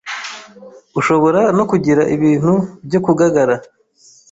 ushobora no kugira ibintu byo kugagara